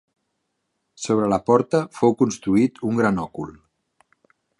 Sobre la porta fou construït un gran òcul.